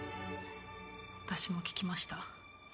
私も聞きました。